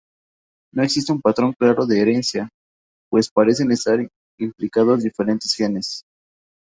No existe un patrón claro de herencia, pues parecen estar implicados diferentes genes.